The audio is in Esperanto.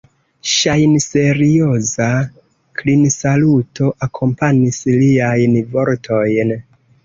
Ŝajnserioza klinsaluto akompanis liajn vortojn.